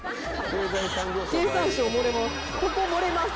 ここ盛れます！